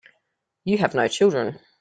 You have no children.